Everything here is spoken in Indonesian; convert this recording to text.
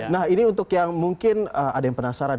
nah ini untuk yang mungkin ada yang penasaran